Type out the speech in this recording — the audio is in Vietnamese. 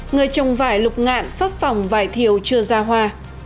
người trồng vải lục ngạn pháp phòng vải thiều chưa ra hoa